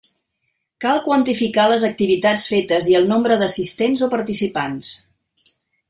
Cal quantificar les activitats fetes i el nombre d'assistents o participants.